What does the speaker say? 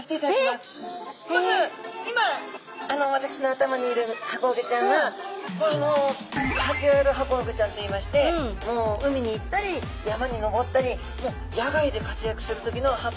まず今あの私の頭にいるハコフグちゃんはカジュアルハコフグちゃんといいまして海に行ったり山に登ったりもう野外で活躍する時のハコフグちゃんです。